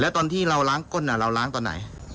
ตอนที่เราล้างก้นเราล้างตอนไหน